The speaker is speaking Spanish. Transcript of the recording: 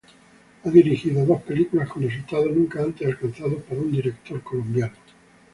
Ha dirigido dos películas con resultados nunca antes alcanzados para un director colombiano.